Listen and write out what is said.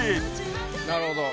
なるほど。